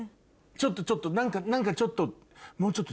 ちょっと何かちょっともうちょっと。